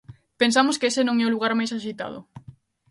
Pensamos que ese non é o lugar máis axeitado.